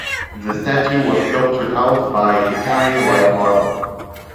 The statue was sculptured out of Italian white marble.